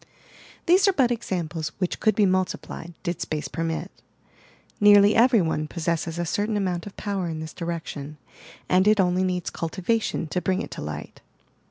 These are but examples which could be multiplied, did space permit. Nearly every one possesses a certain amount of power in this direction, and it only needs cultivation to bring it to light.